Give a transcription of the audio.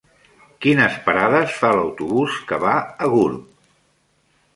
Quines parades fa l'autobús que va a Gurb?